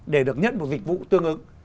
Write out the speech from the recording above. để được nhận một dịch vụ tương ứng